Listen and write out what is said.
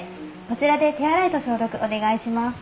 こちらで手洗いと消毒お願いします。